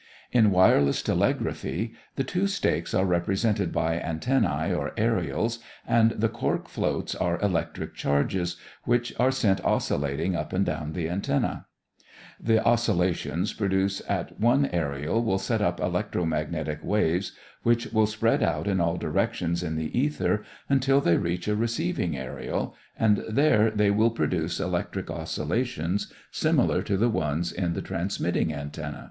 In wireless telegraphy the two stakes are represented by antennæ or aërials and the cork floats are electric charges which are sent oscillating up and down the antennæ. The oscillations produced at one aërial will set up electro magnetic waves which will spread out in all directions in the ether until they reach a receiving aërial, and there they will produce electric oscillations similar to the ones at the transmitting antenna.